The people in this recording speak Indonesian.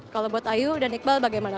kalau buat ayu dan iqbal bagaimana